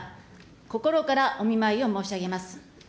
心からお見舞いを申し上げます。